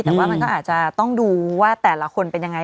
แต่ว่ามันก็อาจจะต้องดูว่าแต่ละคนเป็นยังไง